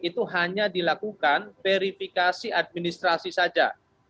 itu hanya dilakukan verifikasi administrasi saja